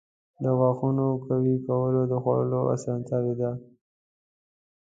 • د غاښونو قوي کول د خوړلو اسانتیا ده.